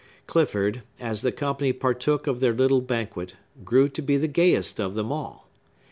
Clifford, as the company partook of their little banquet, grew to be the gayest of them all.